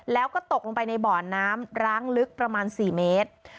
แล้วก็ตกลงไปในบ่อน้ำร้างลึกประมาณ๔เมตร